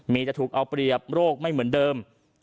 มีแต่ถูกเอาเปรียบโรคไม่เหมือนเดิม